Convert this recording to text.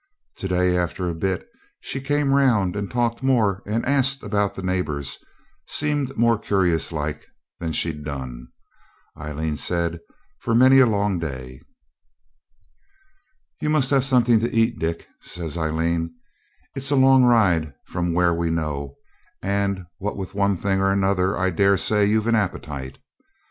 To day, after a bit, she came round and talked more and asked about the neighbours, seemed more curious like, than she'd done, Aileen said, for many a long day. 'You must have something to eat, Dick,' says Aileen; 'it's a long ride from from where we know and what with one thing and another I daresay you've an appetite.